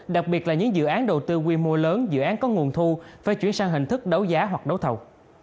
đặc biệt là những dự án đầu tư quy mô lớn dự án có nguồn thu phải chuyển sang hình thức đấu giá hoặc đấu thầu